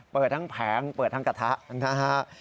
เปิดทั้งแผงเน่นทางกระทะนะครับ